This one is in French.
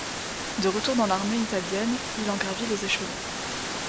De retour dans l'armée italienne il en gravit les échelons.